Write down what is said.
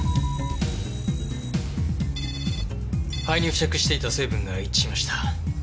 灰に付着していた成分が一致しました。